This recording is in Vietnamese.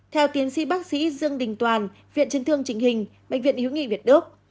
theo tiến sĩ bác sĩ dương đình toàn viện trân thương trịnh hình bệnh viện yếu nghị việt đức